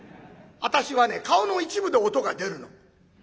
私はね顔の一部で音が出るの。